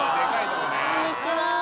こんにちは。